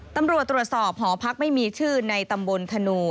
ตำรวจตรวจสอบหอพักไม่มีชื่อในตำบลธนู